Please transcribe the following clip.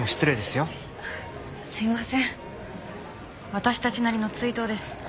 私たちなりの追悼です。